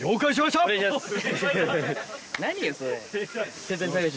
お願いします。